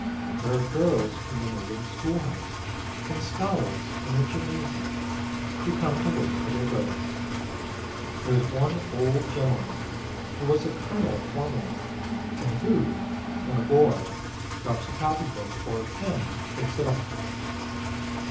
There are girls from the neighboring schoolhouse, and scholars in the gym nasium, who come to wait for their brothers. There is one old gentleman who was a colonel formerly, and who, when a boy drops a copy book or a pen, picks it up for him.